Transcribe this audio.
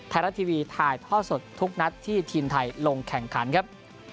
ไทยรัฐทีวีถ่ายท่อสดทุกนัดที่ทีมไทยลงแข่งขันครับ